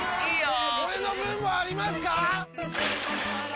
俺の分もありますか！？